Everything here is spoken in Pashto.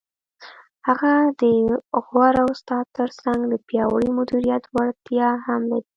هغه د غوره استاد تر څنګ د پیاوړي مدیریت وړتیا هم لري.